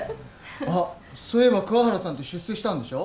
あっそういえば桑原さんって出世したんでしょ？